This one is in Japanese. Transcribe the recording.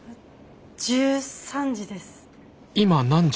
１３時です。